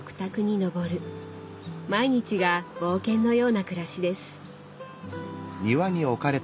毎日が冒険のような暮らしです。